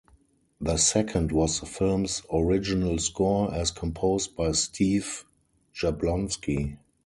The second was the film's original score as composed by Steve Jablonsky.